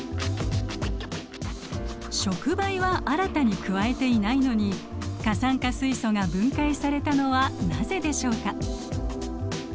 触媒は新たに加えていないのに過酸化水素が分解されたのはなぜでしょうか？